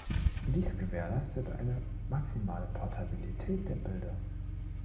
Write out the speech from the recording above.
Dies gewährleistet eine maximale Portabilität der Bilder.